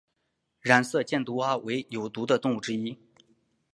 染色箭毒蛙为有毒的动物之一。